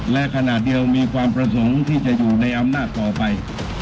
และขณะเดียวมีความประสงค์ที่จะอยู่ในอำนาจต่อไป